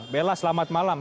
bella selamat malam